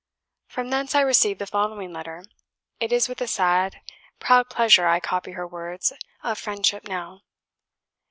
From thence I received the following letter. It is with a sad, proud pleasure I copy her words of friendship now.